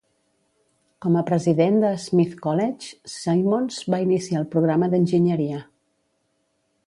Com a president de Smith College, Simmons va iniciar el programa d'enginyeria.